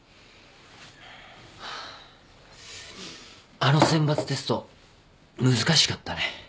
あの選抜テスト難しかったね。